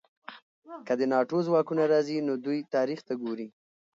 که د ناټو ځواکونه راځي، نو دوی تاریخ ته ګوري.